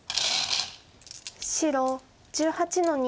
白１８の二。